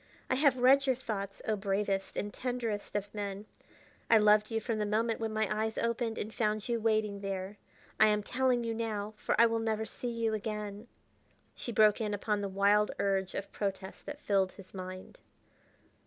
I have read your thoughts, oh bravest and tenderest of men; I loved you from the moment when my eyes opened and found you waiting there. I am telling you now, for I will never see you again." She broke in upon the wild urge of protest that filled his mind.